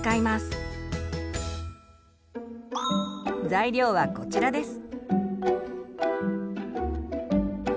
材料はこちらです。